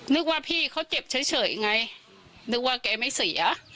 นึกว่าพี่เขาเจ็บเฉยไงนึกว่าแกไม่เสีย